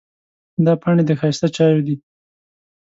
دا پاڼې د ښایسته چایو دي.